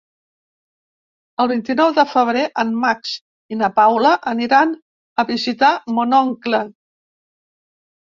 El vint-i-nou de febrer en Max i na Paula aniran a visitar mon oncle.